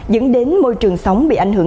dẫn đến môi trường sống bị ảnh hưởng